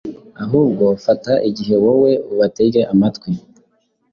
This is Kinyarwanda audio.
ahubwo fata igihe wowe ubatege amatwi,